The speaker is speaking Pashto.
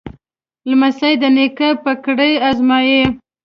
لمسی د نیکه پګړۍ ازمایي.